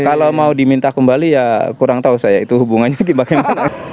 kalau mau diminta kembali ya kurang tahu saya itu hubungannya bagaimana